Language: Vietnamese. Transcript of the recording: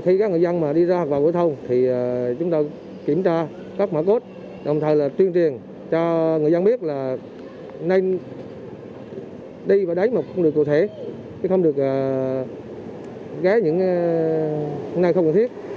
khi các người dân đi ra hoặc vào khu dân cư chúng ta kiểm tra các mã cốt đồng thời là truyền truyền cho người dân biết là nên đi và đánh mà không được cụ thể không được ghé những nơi không cần thiết